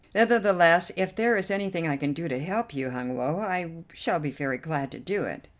Nevertheless, if there is anything I can do to help you, Hun Woe, I shall be very glad to do it."